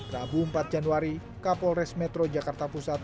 rabu empat januari kapolres metro jakarta pusat